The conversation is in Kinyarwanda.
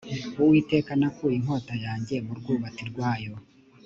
uwiteka nakuye inkota yanjye mu rwubati rwayo